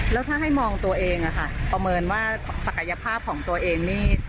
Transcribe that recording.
แล้วถ้าให้มองตัวเองอะค่ะประเมินว่าศักยภาพของตัวเองนี่